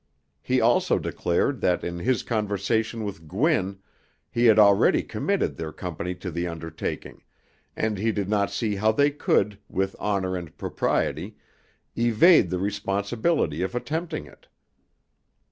He also declared that in his conversation with Gwin he had already committed their company to the undertaking, and he did not see how they could, with honor and propriety, evade the responsibility of attempting it.